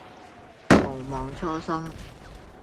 毋忘初心